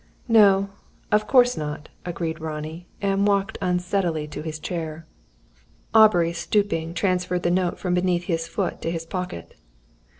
"No, of course not," agreed Ronnie, and walked unsteadily to his chair. Aubrey, stooping, transferred the note from beneath his foot to his pocket.